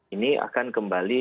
ini akan kembali